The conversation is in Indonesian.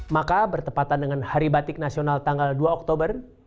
maka bertepatan dengan hari batik nasional tanggal dua oktober